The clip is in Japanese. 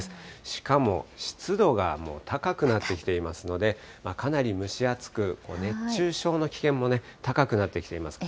しかも湿度がもう高くなってきていますので、かなり蒸し暑く、熱中症の危険も高くなってきています。